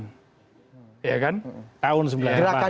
gerakannya seperti itu